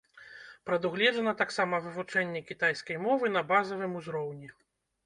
Прадугледжана таксама вывучэнне кітайскай мовы на базавым узроўні.